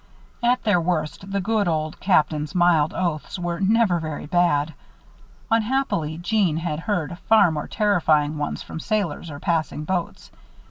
At their worst, the good old Captain's mild oaths were never very bad. Unhappily Jeanne had heard far more terrifying ones from sailors on passing boats.